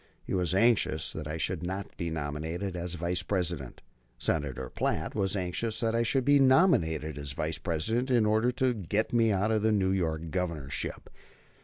He was anxious that I should not be nominated as Vice President. Senator Platt was anxious that I should be nominated as Vice President, in order to get me out of the New York Governorship.